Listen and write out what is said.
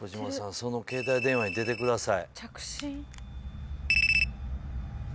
その携帯電話に出てください。